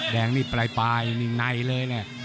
แดงนี่ปลายหน่ายเลยน่ะ